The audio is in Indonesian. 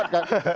ini tanpa kawat